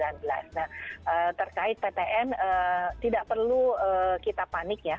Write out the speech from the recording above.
nah terkait ptn tidak perlu kita panik ya